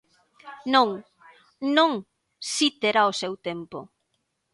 Non, non, si, terá o seu tempo.